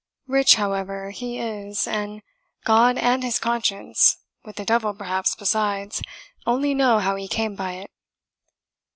Rich, however, he is, and God and his conscience, with the devil perhaps besides, only know how he came by it.